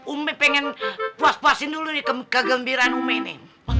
umi pengen puas puasin dulu nih kegembiraan umi ini